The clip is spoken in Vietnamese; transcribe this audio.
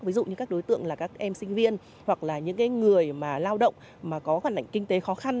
ví dụ như các đối tượng là các em sinh viên hoặc là những cái người mà lao động mà có khoản ảnh kinh tế khó khăn